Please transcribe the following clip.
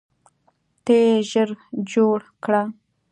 ته یې ژر جوړ کړه.